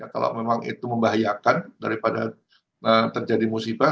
kalau memang itu membahayakan daripada terjadi musibah